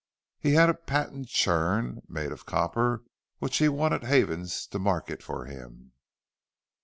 He had a patent churn, made of copper, which he wanted Havens to market for him!"